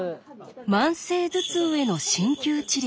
慢性頭痛への鍼灸治療。